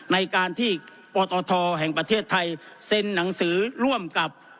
ในการที่ปตทแห่งประเทศไทยเซ็นหนังสือร่วมกับ